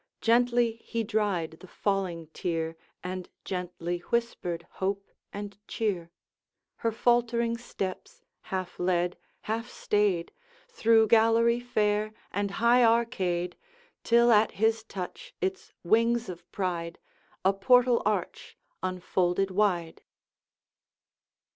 Gently he dried the falling tear, And gently whispered hope and cheer; Her faltering steps half led, half stayed, Through gallery fair and high arcade, Till at his touch its wings of pride A portal arch unfolded wide.